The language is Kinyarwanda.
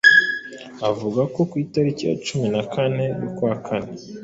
Avuga ko ku itariki ya cumi nakane y'ukwa kane